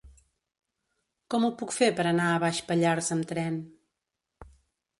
Com ho puc fer per anar a Baix Pallars amb tren?